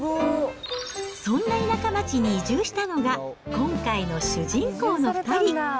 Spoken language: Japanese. そんな田舎町に移住したのが、今回の主人公の２人。